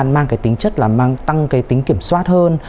mang cái tính chất là mang tăng cái tính kiểm soát hơn